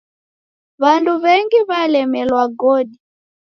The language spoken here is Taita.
W'andu w'engi w'alemelwa godi.